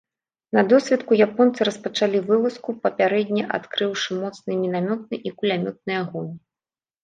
На досвітку японцы распачалі вылазку, папярэдне адкрыўшы моцны мінамётны і кулямётны агонь.